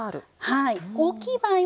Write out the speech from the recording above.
はい。